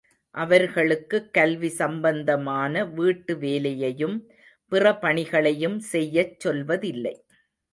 அவர்களுக்கு கல்வி சம்பந்தமான வீட்டு வேலையையும் பிற பணிகளையும் செய்யச் சொல்வதில்லை.